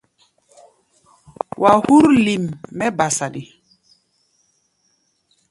Wa hú̧r lim mɛ́ ba saɗi.